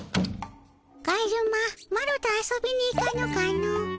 カズママロと遊びに行かぬかの。